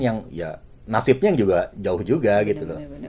yang ya nasibnya juga jauh juga gitu loh